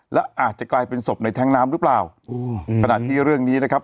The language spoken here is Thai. และอาจจะกลายเป็นศพในแท้งน้ำหรือเปล่าอืมขณะที่เรื่องนี้นะครับ